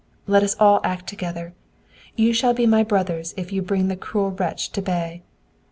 Let us all act together. You shall be my brothers if you bring the cruel wretch to bay!"